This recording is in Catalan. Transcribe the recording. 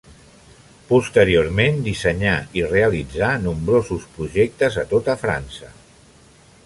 Posteriorment, dissenyà i realitzà nombrosos projectes a tota França.